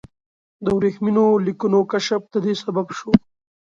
د ورېښمینو لیکونو کشف د دې سبب شو.